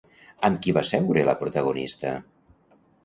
Amb qui va seure la protagonista?